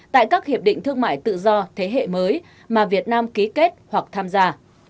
tại các hiệp định thương mại tự do thế hệ mới mà việt nam ký kết hoặc tham gia